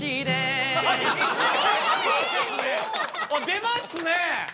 出ますね！